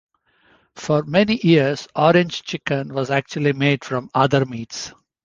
For many years Orange Chicken was actually made from other meats.